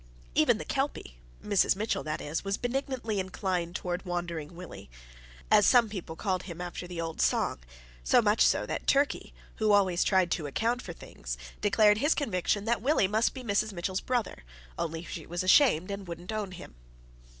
Even the Kelpie, Mrs. Mitchell that is, was benignantly inclined towards Wandering Willie, as some people called him after the old song; so much so that Turkey, who always tried to account for things, declared his conviction that Willie must be Mrs. Mitchell's brother, only she was ashamed and wouldn't own him.